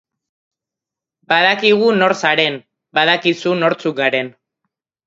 Badakigu nor zaren, badakizu nortzuk garen.